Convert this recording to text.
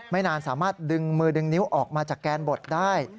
ไม่นานสามารถดึงมือดึงนิ้วออกมาจากแกนบดได้